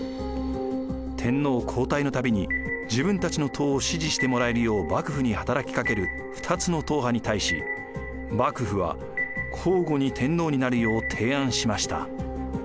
天皇交代の度に自分たちの統を支持してもらえるよう幕府に働きかける二つの統派に対し幕府は交互に天皇になるよう提案しました。